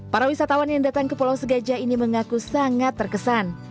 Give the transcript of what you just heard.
para wisatawan yang datang ke pulau segajah ini mengaku sangat terkesan